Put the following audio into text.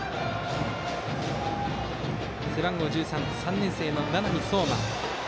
背番号１３、３年生の名波蒼真。